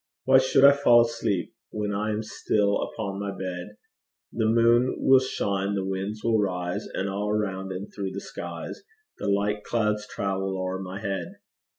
Why should I fall asleep? When I am still upon my bed, The moon will shine, the winds will rise, And all around and through the skies The light clouds travel o'er my head.